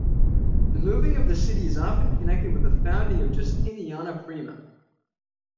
The moving of the city is often connected with the founding of Justiniana Prima.